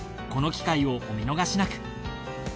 この機会をお見逃しなく。